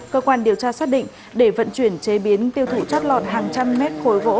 cơ quan điều tra xác định để vận chuyển chế biến tiêu thụ trót lọt hàng trăm mét khối gỗ